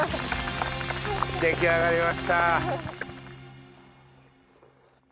出来上がりました。